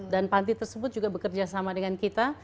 panti tersebut juga bekerja sama dengan kita